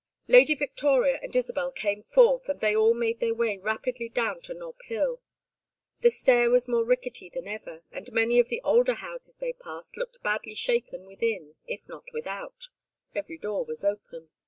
Lady Victoria and Isabel came forth, and they all made their way rapidly down to Nob Hill. The stair was more rickety than ever, and many of the older houses they passed looked badly shaken within, if not without every door was open.